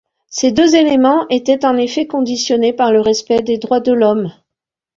Ces deux éléments étaient en effet conditionnés par le respect des droits de l'homme.